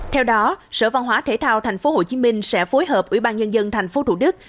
theo đó sở văn hóa thể thao tp hcm sẽ phối hợp ủy ban nhân dân tp thủ đức